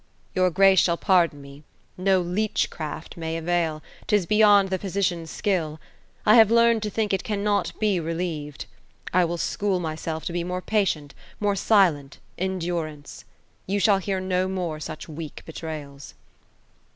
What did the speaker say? " Your grace shall pardon me, — no leechcraft may avail, — 'tis beyond the physician's skill, — I have learned to think it cannot be relieved. I will school myself to more patient, more silent, endurance. You shall hear no more such weak betrayals."